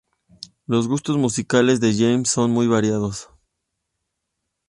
Los gustos musicales de James son muy variados.